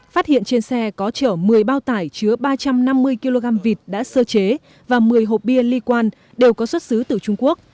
phát hiện trên xe có chở một mươi bao tải chứa ba trăm năm mươi kg vịt đã sơ chế và một mươi hộp bia li quan đều có xuất xứ từ trung quốc